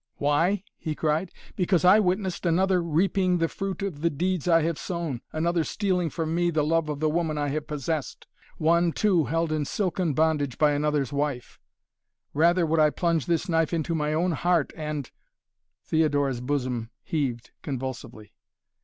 "Why?" he cried. "Because I witnessed another reaping the fruit of the deeds I have sown another stealing from me the love of the woman I have possessed, one, too, held in silken bondage by another's wife. Rather would I plunge this knife into my own heart and " Theodora's bosom heaved convulsively.